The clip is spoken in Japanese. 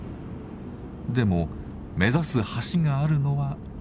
でも目指す橋があるのはこちら。